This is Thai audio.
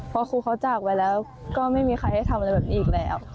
พอครูเขาจากไปแล้วก็ไม่มีใครให้ทำอะไรแบบนี้อีกแล้ว